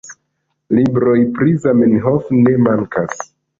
Libroj pri Zamenhof ne mankas.